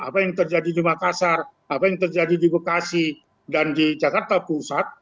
apa yang terjadi di makassar apa yang terjadi di bekasi dan di jakarta pusat